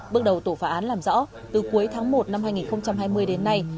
bước đầu tổ phá án làm rõ từ cuối tháng một năm hai nghìn hai mươi đến nay